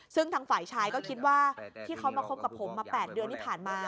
ซึ่งทางฝ่ายชายก็คิดว่าที่เขามาคบกับผมมา๘เดือนที่ผ่านมา